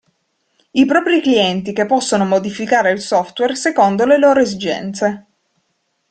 I propri clienti che possono modificare il software secondo le loro esigenze.